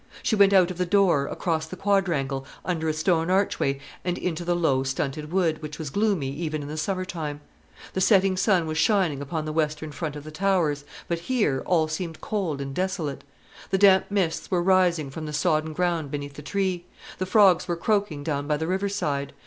She went out of the door, across the quadrangle, under a stone archway, and into the low stunted wood, which was gloomy even in the summer time. The setting sun was shining upon the western front of the Towers; but here all seemed cold and desolate. The damp mists were rising from the sodden ground beneath the tree; the frogs were croaking down by the river side.